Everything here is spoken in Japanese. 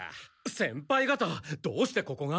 先輩がたどうしてここが？